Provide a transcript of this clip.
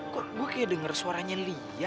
kok gue kayak denger suaranya lia